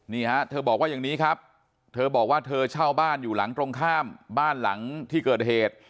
นี่ฮะเธอบอกว่าอย่างนี้ครับเธอบอกว่าเธอเช่าบ้านอยู่หลังตรงข้ามบ้านหลังที่เกิดเหตุ